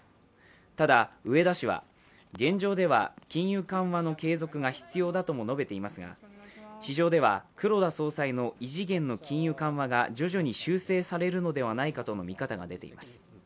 ただ植田氏は現状では金融緩和の継続が必要だとも述べていますが市場では、黒田総裁の異次元の金融緩和が徐々に修正されるのではないかとの見方が出ています。